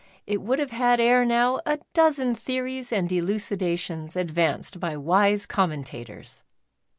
it would have had ere now a dozen viii Prefatory Xote. theories and elucidations advanced by wise com mentators.